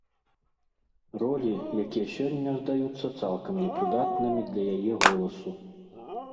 Ролі, якія сёння здаюцца цалкам непрыдатнымі для яе голасу.